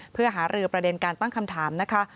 เพื่อหารือประเด็นการตั้งคำถามนะคะ